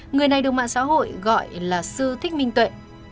người này được mạng xã hội gọi là sư thích minh tuệ